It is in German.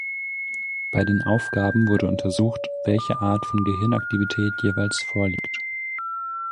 Bei den Aufgaben wurde untersucht, welche Art von Gehirnaktivität jeweils vorliegt.